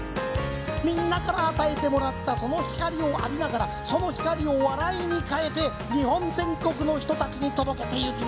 みんなから与えてもらったその光を浴びながらその光を笑いに変えて日本全国の人たちに届けてゆきます。